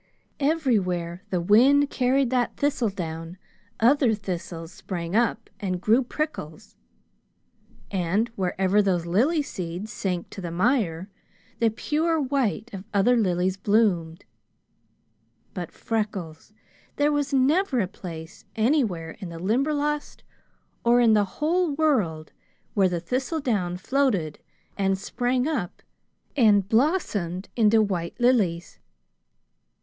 Everywhere the wind carried that thistledown, other thistles sprang up and grew prickles; and wherever those lily seeds sank to the mire, the pure white of other lilies bloomed. But, Freckles, there was never a place anywhere in the Limberlost, or in the whole world, where the thistledown floated and sprang up and blossomed into white lilies!